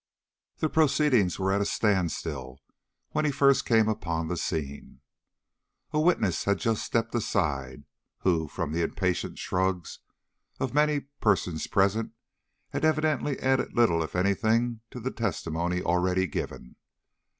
The proceedings were at a standstill when he first came upon the scene. A witness had just stepped aside, who, from the impatient shrugs of many persons present, had evidently added little if any thing to the testimony already given.